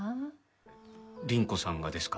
倫子さんがですか？